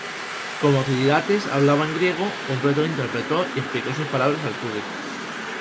Como Tiridates hablaba en griego un pretor interpretó y explicó sus palabras al público.